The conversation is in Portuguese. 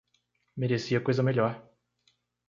Merecia coisa melhor